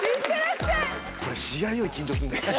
これ試合より緊張する。